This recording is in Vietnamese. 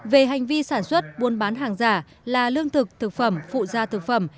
về hành vi sản xuất buôn bán hàng giả là lương thực thực phẩm phụ gia thực phẩm